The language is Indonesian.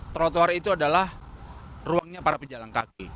trotoar itu adalah ruangnya para pejalan kaki